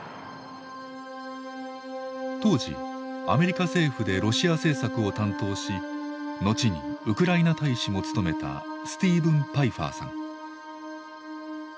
当時アメリカ政府でロシア政策を担当し後にウクライナ大使も務めたスティーブン・パイファーさん。